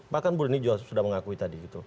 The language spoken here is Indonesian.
bahkan bu reni juga sudah mengakui tadi gitu